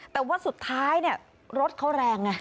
แต่ว่าสุดท้ายรถเขาแรง